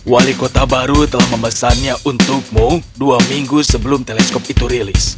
wali kota baru telah memesannya untukmu dua minggu sebelum teleskop itu rilis